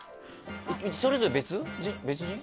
それぞれ別人？